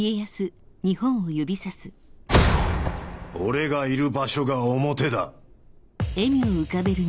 俺がいる場所が表だ！